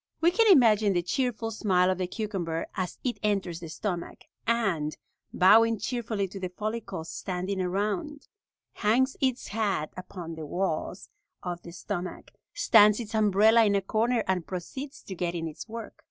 We can imagine the cheerful smile of the cucumber as it enters the stomach, and, bowing cheerfully to the follicles standing around, hangs its hat upon the walls of the stomach, stands its umbrella in a corner, and proceeds to get in its work.